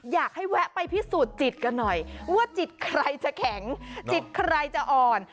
อยากให้แวะไปพิสูจน์จิตกันหน่อยว่าจิตใครจะแข็งจิตใครจะอ่อน